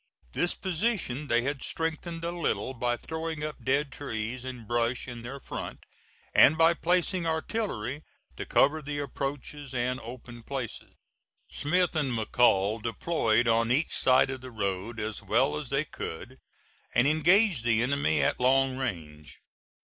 This position they had strengthened a little by throwing up dead trees and brush in their front, and by placing artillery to cover the approaches and open places. Smith and McCall deployed on each side of the road as well as they could, and engaged the enemy at long range.